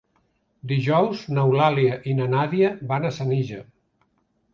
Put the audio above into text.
Dijous n'Eulàlia i na Nàdia van a Senija.